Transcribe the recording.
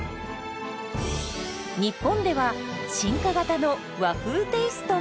日本では進化型の和風テイストも！